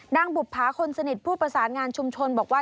บุภาคนสนิทผู้ประสานงานชุมชนบอกว่า